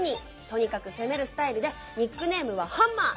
とにかく攻めるスタイルでニックネームはハンマー！